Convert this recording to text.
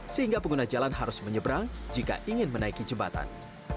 sehingga pengguna jalan harus menyeberang jika ingin menaiki jembatan